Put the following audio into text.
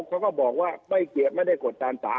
เขาก็บอกว่าไม่เกลียดไม่ได้กดดันสา